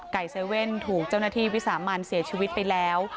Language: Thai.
๗๑๑ถูกเจ้าหน้าที่วิสามันเสียชีวิตไปแล้ว